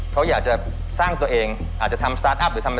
เขาอยากจะสร้างตัวเองอาจจะทำสตาร์ทอัพหรือทำอะไร